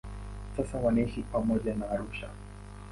Sasa wanaishi pamoja Arusha.